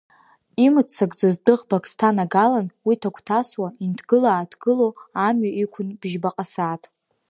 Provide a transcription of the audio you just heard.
Имыццакӡоз дәыӷбак сҭанагалан, уи ҭагәҭасуа, инҭгыла-ааҭгыло амҩа иқәын бжьбаҟа сааҭ.